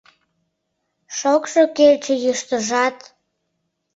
Шокшо кече, йӱштыжат